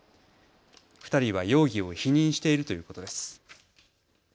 ２人は容疑を否認しているということです。